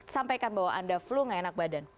sampaikan bahwa anda flu tidak enak badan